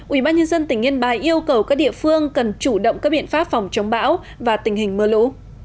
ubnd tỉnh yên bái yêu cầu các địa phương cần chủ động các biện pháp phòng chống bão và tình hình mưa lũ